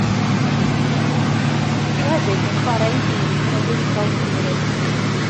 Bu hefyd yn chwarae i dîm cenedlaethol Cymru.